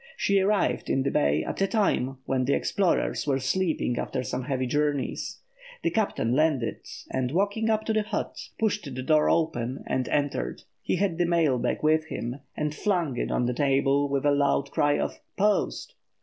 She arrived in the bay at a time when the explorers were sleeping after some heavy journeys. The captain landed, and walking up to the hut, pushed the door open and entered. He had the mail bag with him, and flung it on the table with a loud cry of "Post."